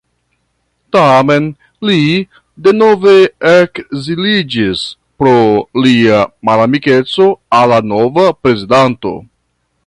Tamen, li denove ekziliĝis pro lia malamikeco al la nova prezidanto.